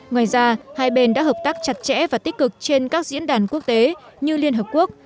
ngoài ra hai bên đã hợp tác chặt chẽ và tích cực trên các diễn đàn quốc tế như liên hợp quốc